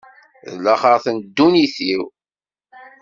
Di laxert n ddunit-iw.